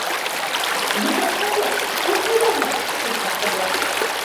— Етәр, шәкерт, күп һөйләйһең! — тип ҡысҡырҙы.